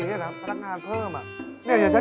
ลมมิตรเหรอนานเจอกันจริง